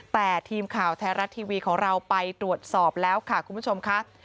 แต่ทีมข่าวไทยรัฐทีวีของเราไปตรวจสอบแล้วค่ะคุณผู้ชมค่ะ